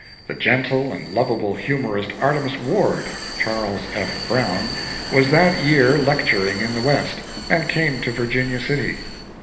The gentle and lovable humorist Artemus Ward (Charles F. Browne) was that year lecturing in the West, and came to Virginia City.